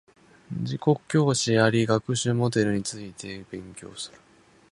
自己教師あり学習モデルについて勉強する